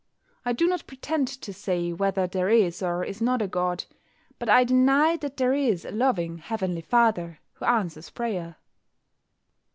I do not pretend to say whether there is or is not a God, but I deny that there is a loving Heavenly Father who answers prayer.